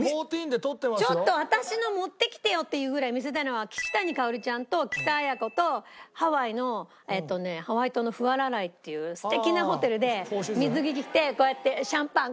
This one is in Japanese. ちょっと私の持ってきてよっていうぐらい見せたいのは岸谷香ちゃんと木佐彩子とハワイのえっとねハワイ島のフアラライっていう素敵なホテルで水着着てこうやってシャンパンこうやってる写真。